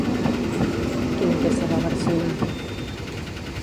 Quina peça va versionar?